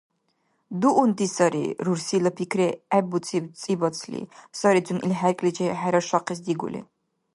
– Дуунти сари, – рурсила пикри гӀеббуциб ЦӀибацли, сарицун ил хӀеркӀличи хӀерашахъес дигули.